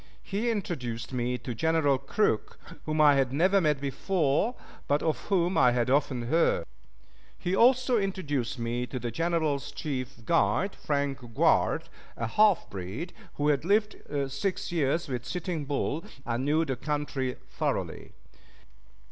He introduced me to General Crook, whom I had never met before, but of whom I had often heard. He also introduced me to the General's chief guide, Frank Grouard, a half breed, who had lived six years with Sitting Bull, and knew the country thoroughly.